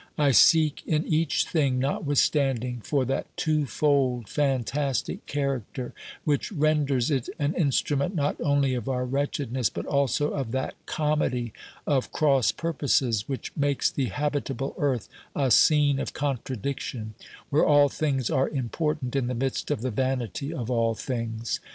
I seek in each thing, notwith standing, for that twofold, fantastic character which renders it an instrument not only of our wretchedness but also of that comedy of cross purposes which makes the habitable earth a scene of contradiction, where all things are im portant in the midst of the vanity of all things.